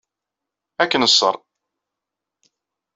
Ad k-neṣṣer.